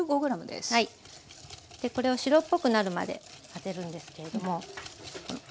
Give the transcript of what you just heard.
でこれを白っぽくなるまで混ぜるんですけれども。